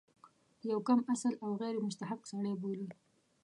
یو کم اصل او غیر مستحق سړی بولي.